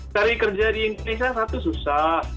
cari kerja di indonesia satu susah